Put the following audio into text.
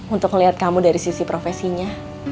untuk melihat kamu dari sisi profesinya